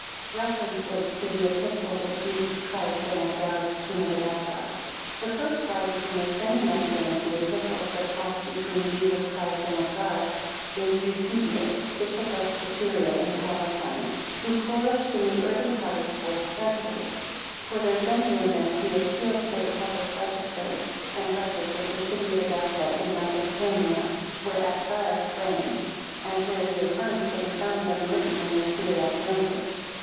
REFERENCES TO THE EPISTLES OF JESUS CHRIST AND ABGARUS KING OF EDESSA. [The first writer who makes any mention of the Epistles that passed between Jesus Christ and Abgarus, is Eusebius, Bishop of Caesarea, in Palestine, who flourished in the early part of the fourth century. For their genuineness, he appeals to the public registers and records of the City of Edessa in Mesopotamia, where Abgarus reigned, and where he affirms that he found them written in the Syriac language.